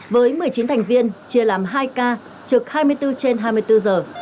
với một mươi chín thành viên chia làm hai ca trực hai mươi bốn trên hai mươi bốn giờ